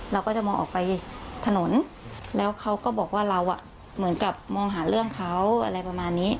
เราก็จะมองออกไปถนนแล้วเขาก็บอกว่าเราอ่ะเหมือนกับมองหาเรื่องเขาอะไรประมาณนี้